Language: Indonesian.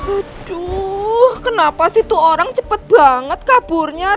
aduh kenapa sih tuh orang cepet banget kaburnya ren